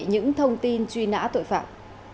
những thông tin truy nã tội phạm